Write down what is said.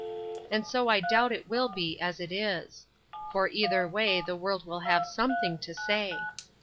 —And so I doubt it will be, as it is: For either way the world will have something to say.